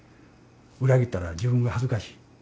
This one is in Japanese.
裏切ったら自分が恥ずかしい。